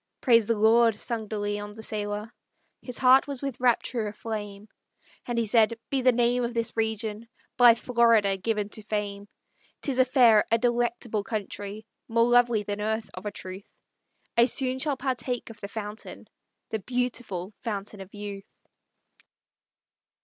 "Praise the Lord!" sung De Leon, the sailor; His heart was with rapture aflame; And he said: "Be the name of this region By Florida given to fame. 'Tis a fair, a delectable country. More lovely than earth, of a truth; I soon shall partake of the fountain, The beautiful Fountain of Youth!"